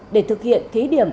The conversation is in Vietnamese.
để thực hiện thí điểm